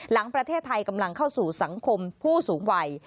หลังประเทศไทยกำลังเข้าสู่สังคมผู้สูงวัย